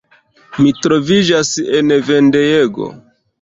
Mi troviĝas en vendejego.